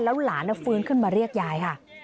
แล้วหลานฟื้นขึ้นมาเรียกยายค่ะ